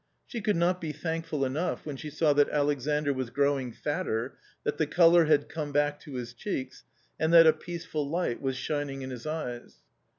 She could not be thankful enough when she saw that Alexandr was growing fatter, that the colour had come back to his cheeks, and that a peaceful light was shining in his eyes.